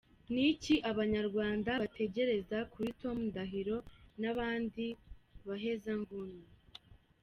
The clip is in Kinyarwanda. Ni iki abanyarwanda bategereza kuri Tom Ndahiro n’abandi bahezanguniÂ ?